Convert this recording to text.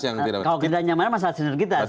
kalau ketidaknyamanan masalah sinergitas